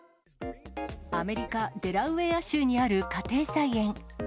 アメリカ・デラウェア州にある家庭菜園。